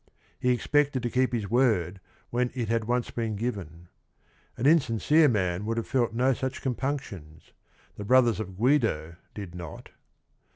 He expected to keep his word when it had once been given. An insincere man would have felt no such compunctions, the brothers of Guido did not.